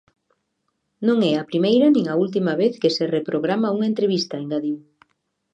Non é a primeira nin a última vez que se reprograma unha entrevista, engadiu.